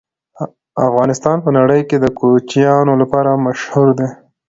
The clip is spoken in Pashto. افغانستان په نړۍ کې د کوچیانو لپاره مشهور دی.